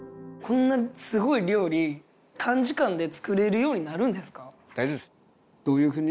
こんなすごい料理短時間で作れるようになるんですか？